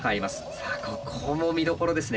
さあここも見どころですね。